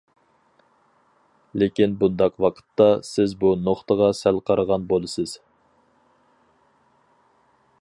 لېكىن بۇنداق ۋاقىتتا، سىز بىر نۇقتىغا سەل قارىغان بولىسىز.